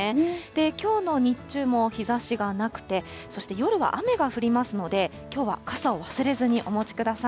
きょうの日中も日ざしがなくて、そして夜は雨が降りますので、きょうは傘を忘れずにお持ちください。